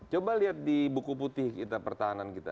coba lihat di buku putih kita pertahanan kita